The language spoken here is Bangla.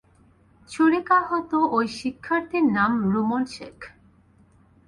ছুরিকাহত ওই শিক্ষার্থীর নাম রুমন শেখ।